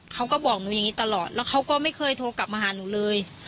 เขาก็บอกหนูอย่างนี้ตลอดแล้วเขาก็ไม่เคยโทรกลับมาหาหนูเลย